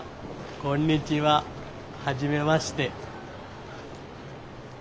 こんにちは初めまして。